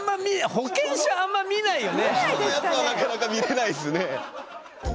人のやつはなかなか見れないですね。